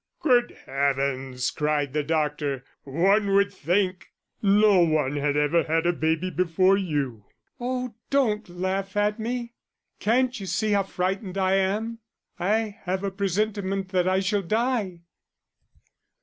"Good heavens," cried the doctor, "one would think no one had ever had a baby before you." "Oh, don't laugh at me. Can't you see how frightened I am! I have a presentiment that I shall die."